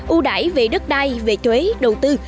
ưu đải về đất đai về thuế đầu tư